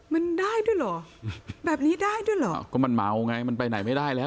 มันได้ด้วยเหรอแบบนี้ได้ด้วยเหรอก็มันเมาไงมันไปไหนไม่ได้แล้ว